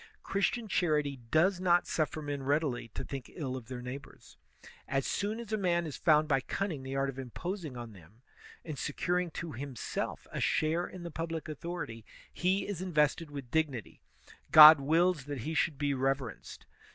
Christian charity does not suflEer men readily to think ill of their neighbors. As soon as a man has found by cunning the art of imposing on them and securing to himself a share in the public authority, he is invested with dignity; God wills that he should be reverenced.